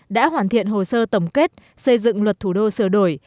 đã hoàn thiện hồ sơ tổng kết xây dựng luật thủ đô sửa đổi